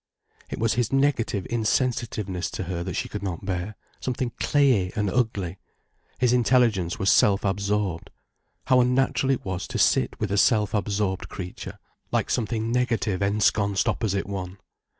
It was his negative insensitiveness to her that she could not bear, something clayey and ugly. His intelligence was self absorbed. How unnatural it was to sit with a self absorbed creature, like something negative ensconced opposite one.